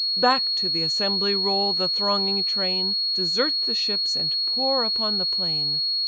Back to the assembly roll the thronging train, Desert the ships, and pour upon the plain.